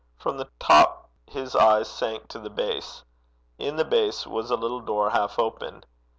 From the top his eye sank to the base. In the base was a little door half open.